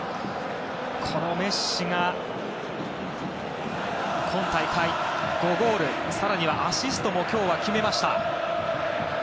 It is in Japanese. メッシが今大会５ゴール目更にはアシストも今日は決めました。